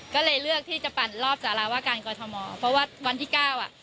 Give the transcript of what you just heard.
ก็เลยเลือกที่จะปั่นรอบสารวาการกอทมเพราะว่าวันที่เก้าอ่ะ